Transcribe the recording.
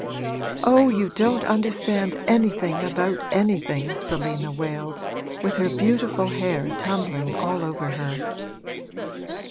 'Oh, you don't understand anything about anything!' Selina wailed, with her beautiful hair tumbling all over her.